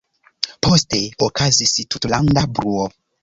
Poste okazis tutlanda bruo.